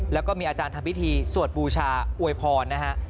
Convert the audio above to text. แล้วก็มีอาจารย์ทำพิธีสวดบูชาอวยพรนะฮะ